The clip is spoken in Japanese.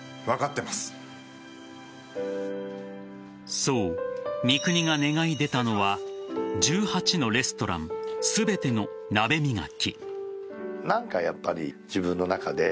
そう、三國が願い出たのは１８のレストラン全ての鍋磨き。